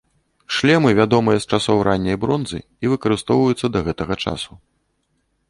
Шлемы вядомыя з часоў ранняй бронзы і выкарыстоўваюцца да гэтага часу.